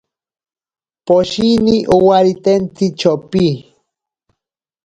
Poshini owaritentsi chopi.